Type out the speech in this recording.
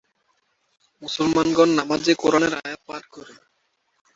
মুসলমানগণ নামাযে কুরআনের আয়াত পাঠ করে।